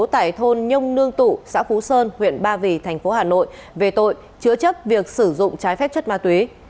tại thôn nhông nương tụ xã phú sơn huyện ba vì tp hà nội về tội chữa chấp việc sử dụng trái phép chất ma túy